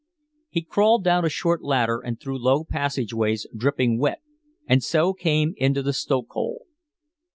He crawled down a short ladder and through low passageways dripping wet and so came into the stokehole.